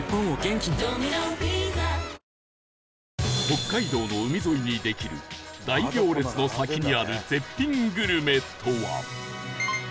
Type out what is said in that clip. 北海道の海沿いにできる大行列の先にある絶品グルメとは？